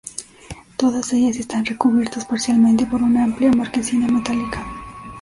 Todas ellas están recubiertas parcialmente por una amplia marquesina metálica.